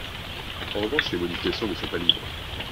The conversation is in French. En revanche les modifications ne sont pas libres.